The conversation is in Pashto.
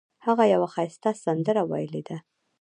هغه یوه ښایسته سندره ویلې ده